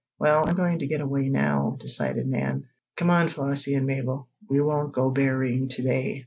"Well, I'm going to get away now," decided Nan. "Come on, Flossie and Mabel. We won't go berrying to day.